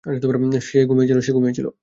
সে ঘুমিয়ে ছিল।